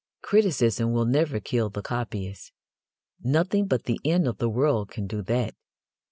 Criticism will never kill the copyist. Nothing but the end of the world can do that.